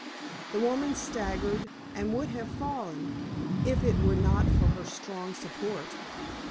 The woman staggered, and would have fallen if it were not for her strong support.